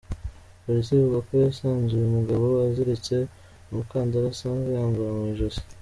Polisi ivuga ko yasanze uyu mugabo aziritse umukandara asanzwe yambara mu ijosi.